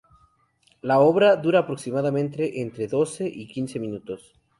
La obra dura aproximadamente entre doce y quince minutos.